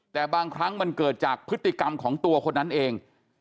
แต่บางครั้งมันเกิดจากพฤติกรรมของตัวคนนั้นเอง